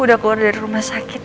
udah keluar dari rumah sakit